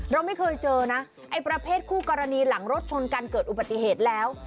เราไม่เคยเจอนะไอ้ประเภทคู่กรณีหลังรถชนกันเกิดอุบัติเหตุแล้ว